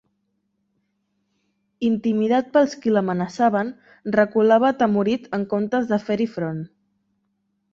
Intimidat pels qui l'amenaçaven, reculava atemorit en comptes de fer-hi front.